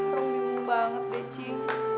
rombong banget deh cin